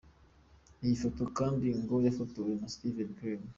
Iyi foto kandi ngo yafotowe na Steven Klein.